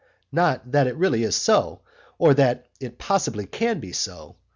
Not that it really is so, or that it possibly can be so.